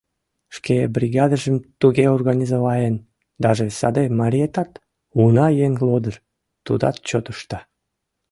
Шке бригадыжым туге организоваен, даже саде мариетат, уна эн лодыр, тудат чот ышта.